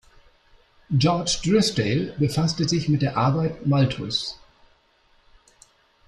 George Drysdale befasste sich mit der Arbeit Malthus'.